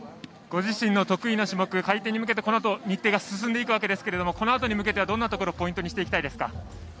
ご自身の得意な種目の回転に向けてこのあと日程が進んでいきますがこのあとに向けてはどんなところをポイントにしたいですか。